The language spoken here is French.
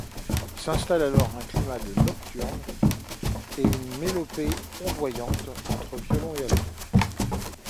S'installe alors un climat de nocturne, en une mélopée ondoyant entre violons et alto.